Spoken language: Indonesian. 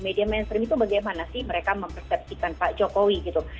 media mainstream itu bagaimana sih mereka mempersepsikan pak jokowi gitu